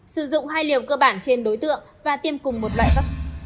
sử dụng hai liều cơ bản trên đối tượng và tiêm cùng một loại vaccine